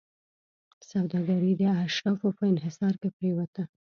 سوداګري د اشرافو په انحصار کې پرېوته.